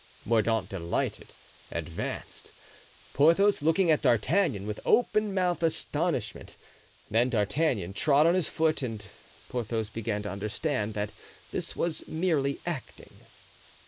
Mordaunt, delighted, advanced, Porthos looking at D'Artagnan with open mouthed astonishment. Then D'Artagnan trod on his foot and Porthos began to understand that this was merely acting.